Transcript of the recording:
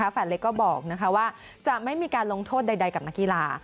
เล็กก็บอกว่าจะไม่มีการลงโทษใดกับนักกีฬา